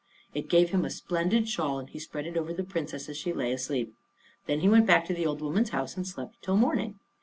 It gave him a splendid shawl, and he spread it over the Princess as she lay asleep. Then he went back to the old woman's house and slept till morning.